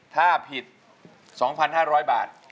ถ้าผิดสองพันห้าร้อยบาท